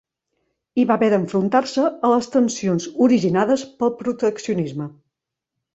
I va haver d'enfrontar-se a les tensions originades pel proteccionisme.